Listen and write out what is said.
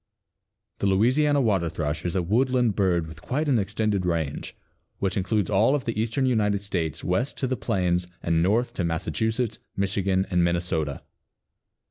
_) The Louisiana Water thrush is a woodland bird with quite an extended range, which includes all of the eastern United States west to the plains and north to Massachusetts, Michigan and Minnesota.